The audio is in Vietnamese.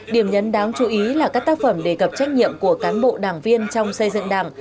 điểm nhấn đáng chú ý là các tác phẩm đề cập trách nhiệm của cán bộ đảng viên trong xây dựng đảng